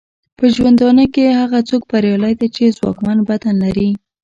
په ژوندانه کې هغه څوک بریالی دی چې ځواکمن بدن لري.